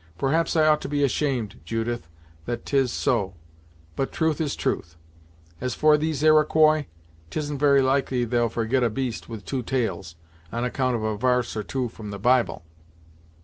Perhaps I ought to be ashamed, Judith, that 'tis so; but truth is truth. As for these Iroquois, 'tisn't very likely they'll forget a beast with two tails, on account of a varse or two from the Bible.